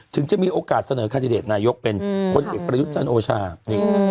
ถึงจะมีโอกาสเสนอขนาดเดชนายกเป็นอืมคนเอกประยุทธ์จันทร์โอชาษณ์อืม